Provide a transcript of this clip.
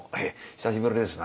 久しぶりですな」。